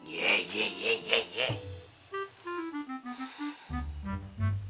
jangan kelamaan bang